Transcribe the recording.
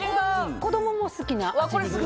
子供も好きな味。